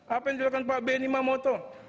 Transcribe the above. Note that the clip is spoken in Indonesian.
apa yang dilakukan pak benny mamoto